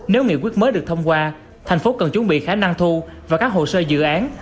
nếu nghị quyết mới được thông qua thành phố cần chuẩn bị khả năng thu và các hồ sơ dự án